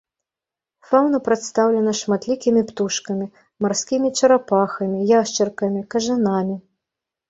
Фаўна прадстаўлена шматлікімі птушкамі, марскімі чарапахамі, яшчаркамі, кажанамі.